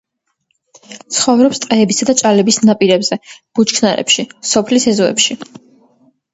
ცხოვრობს ტყეებისა და ჭალების ნაპირებზე, ბუჩქნარებში, სოფლის ეზოებში.